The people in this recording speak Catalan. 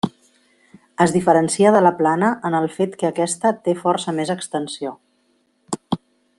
Es diferencia de la plana en el fet que aquesta té força més extensió.